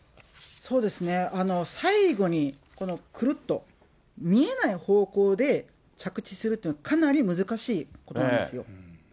そうですね、最後にくるっと、見えない方向で着地するっていうのは、かなり難しいことなんですよ。